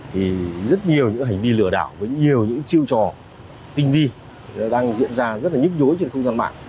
thì rất nhiều những hành vi lừa đảo với nhiều những chiêu trò tinh vi đang diễn ra rất là nhức nhối trên không gian mạng